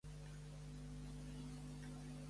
James Ash es un miembro de la banda Rogue Traders.